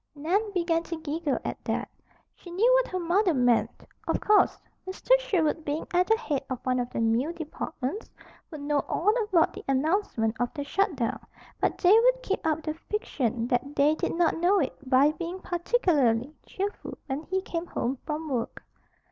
Nan began to giggle at that. She knew what her mother meant. Of course, Mr. Sherwood, being at the head of one of the mill departments, would know all about the announcement of the shut down; but they would keep up the fiction that they did not know it by being particularly cheerful when he came home from work.